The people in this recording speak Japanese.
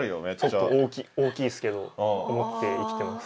ちょっと大きいですけど思って生きてます。